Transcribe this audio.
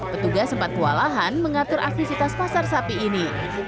petugas sempat kewalahan mengatur aktivitas pasar sapi ini